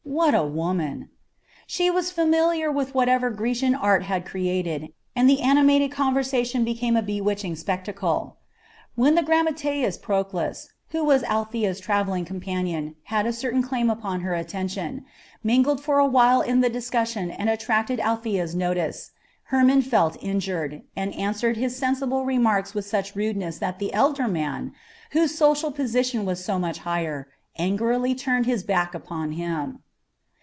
What a woman! She was familiar with whatever Grecian art had created, and the animated conversation became a bewitching spectacle. When the grammateus Proclus, who as Althea's travelling companion had a certain claim upon her attention, mingled for a while in the discussion and attracted Althea's notice, Hermon felt injured, and answered his sensible remarks with such rudeness that the elder man, whose social position was so much higher, angrily turned his back upon him.